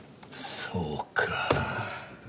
そうか。